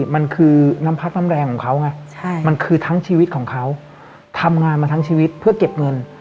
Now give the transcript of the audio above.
มันคือน้ำพักน้ำแรงของเขาไงมันคือทั้งชีวิตของเขาทำงานมาทั้งชีวิตเพื่อเก็บเงิน